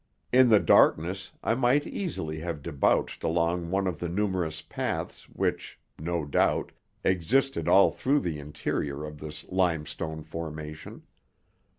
In the darkness I might easily have debouched along one of the numerous paths which, no doubt, existed all through the interior of this limestone formation.